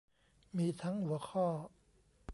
มีทั้งหัวข้อ